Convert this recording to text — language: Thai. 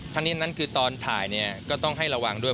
ท่านเงียนนั่นคือตอนถ่ายก็ต้องให้ระวังด้วย